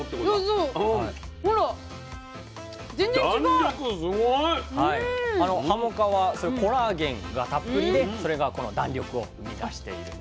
弾力すごい！はも皮コラーゲンがたっぷりでそれがこの弾力を生み出しているんです。